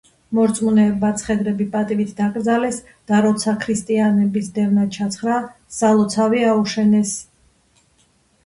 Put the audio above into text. მორწმუნეებმა ცხედრები პატივით დაკრძალეს და როცა ქრისტიანების დევნა ჩაცხრა, სალოცავი აუშენეს.